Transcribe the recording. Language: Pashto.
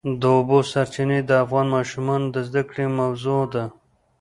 د اوبو سرچینې د افغان ماشومانو د زده کړې موضوع ده.